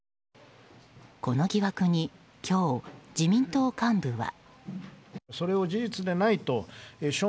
この疑惑に今日、自民党幹部は。